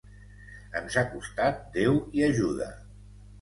Ens ha costat Déu i ajuda!